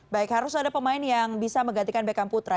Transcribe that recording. baik harus ada pemain yang bisa menggantikan beckham putra